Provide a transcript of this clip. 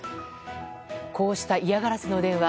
こうした嫌がらせの電話。